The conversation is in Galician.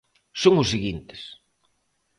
Son os seguintes.